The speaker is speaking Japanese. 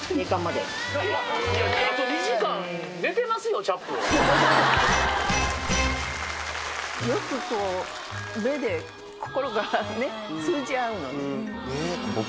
よくこう目で心がね通じ合うのね。